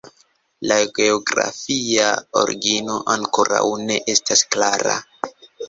La geografia origino ankoraŭ ne estas klara.